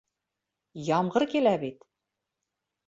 Ямғыр килә бит!